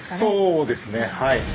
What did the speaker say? そうですねはい。